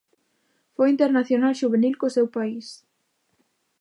Foi internacional xuvenil co seu país.